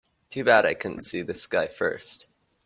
Too bad I couldn't see this guy first.